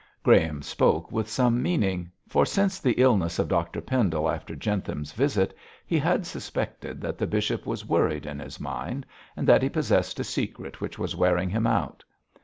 Graham spoke with some meaning, for since the illness of Dr Pendle after Jentham's visit, he had suspected that the bishop was worried in his mind, and that he possessed a secret which was wearing him out.